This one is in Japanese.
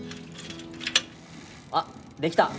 あっできた！